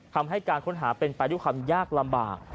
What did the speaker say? ทำให้การค้นหาเป็นประดูกคำยากลำบาก